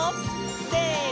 せの！